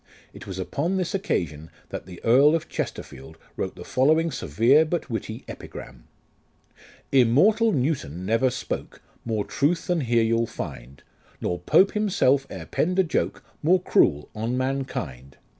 It was upon this occasion that the Earl of Chesterfield wrote the following severe but witty epigram :" Immortal Newton never spoke More truth, than here you'll find, Nor Pope himself e'er penn'd a joke More cruel on mankind.